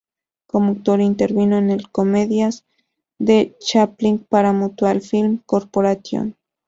Como actor, intervino en comedias de Chaplin para Mutual Film Corporation.